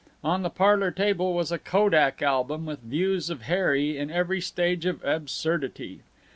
On the parlor table was a kodak album with views of Harry in every stage of absurdity.